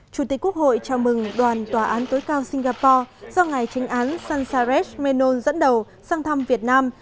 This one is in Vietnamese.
chủ tịch quốc hội chào mừng đoàn tòa án tối cao singapore do ngài tránh án sanchares menon dẫn đầu sang thăm việt nam